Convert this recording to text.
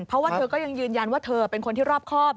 เพราะว่าเธอก็ยังยืนยันว่าเธอเป็นคนที่รอบครอบ